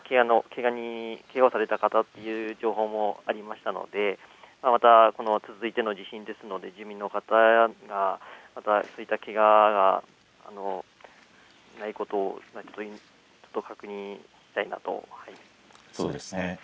けがをされた方という情報もありましたのでまた、続いての地震ですので住民の方、けががないことを確認したいなと思います。